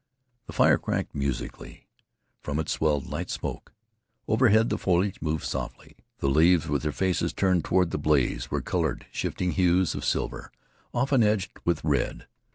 The fire crackled musically. From it swelled light smoke. Overhead the foliage moved softly. The leaves, with their faces turned toward the blaze, were colored shifting hues of silver, often edged with red.